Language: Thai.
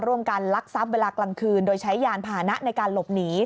ร่วมการรักซับเวลากลางคืนโดยใช้ยานผ่านะในการหลบหนี